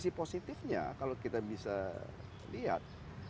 sisi positifnya kalau kita bisa lihat